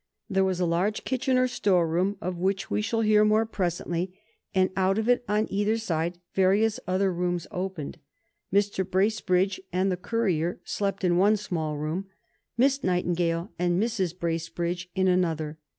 There was a large kitchen or storeroom, of which we shall hear more presently, and out of it on either side various other rooms opened. Mr. Bracebridge and the courier slept in one small room; Miss Nightingale and Mrs. Bracebridge in another.